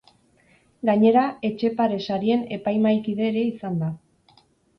Gainera, Etxepare Sarien epaimahaikide ere izan da.